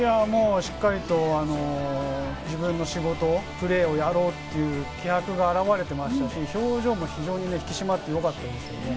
しっかりと自分の仕事、プレーをやろうという気迫が表れていましたし、表情も引き締まっていてよかったですよね。